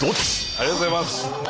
ありがとうございます。